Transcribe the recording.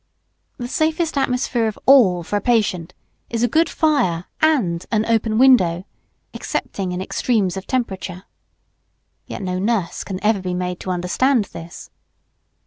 The safest atmosphere of all for a patient is a good fire and an open window, excepting in extremes of temperature. (Yet no nurse can ever be made to understand this.)